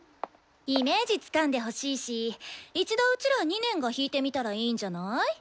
イメージつかんでほしいし一度うちら２年が弾いてみたらいいんじゃない？